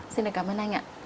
xin cảm ơn anh ạ